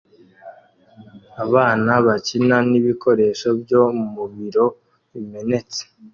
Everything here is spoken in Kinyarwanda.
Abana bakina nibikoresho byo mu biro bimenetse